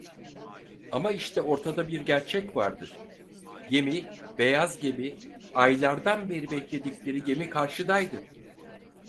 Ama işte ortada bir gerçek vardı: Gemi, beyaz gemi, aylardan beri bekledikleri gemi karşıdaydı.